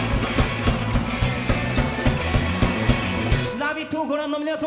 「ラヴィット！」をご覧の皆様